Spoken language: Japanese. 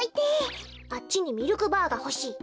あっちにミルクバーがほしい。